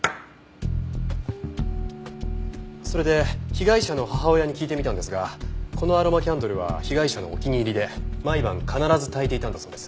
それで被害者の母親に聞いてみたんですがこのアロマキャンドルは被害者のお気に入りで毎晩必ず焚いていたんだそうです。